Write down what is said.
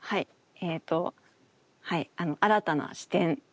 えっと「新たな視点」です。